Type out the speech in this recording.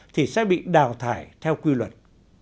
thì sẽ bị đào thải theo quy luật